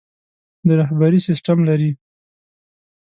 د رهبري سسټم لري.